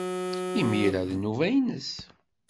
Imir-a, d nnuba-nnes.